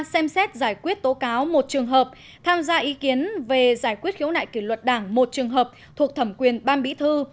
xem xét giải quyết tố cáo một trường hợp tham gia ý kiến về giải quyết khiếu nại kỷ luật đảng một trường hợp thuộc thẩm quyền ban bí thư